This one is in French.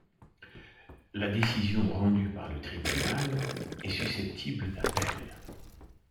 La décision rendue par le tribunal est susceptible d'appel.